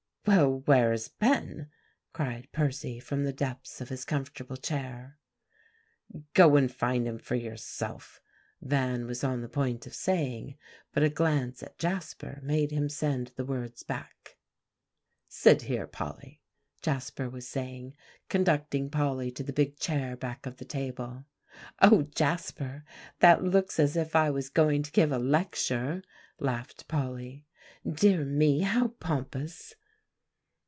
"Well, where is Ben?" cried Percy from the depths of his comfortable chair. "Go and find him for yourself," Van was on the point of saying, but a glance at Jasper made him send the words back. "Sit here, Polly," Jasper was saying, conducting Polly to the big chair back of the table. "O Jasper! that looks as if I was going to give a lecture," laughed Polly; "dear me, how pompous!"